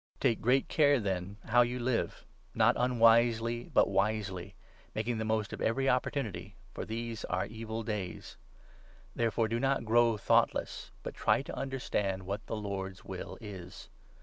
395 Take great care, then, how you live — not unwisely but 15 wisely, making the most of every opportunity ; for these are 16 evil days. Therefore do not grow thoughtless, but try to under 17 stand what the Lord's will is.